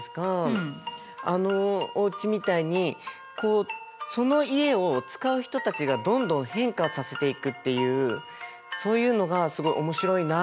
あのおうちみたいにこうその家を使う人たちがどんどん変化させていくっていうそういうのがすごい面白いなと思いました。